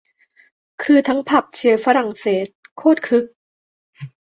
คือทั้งผับเชียร์ฝรั่งเศส โคตรคึก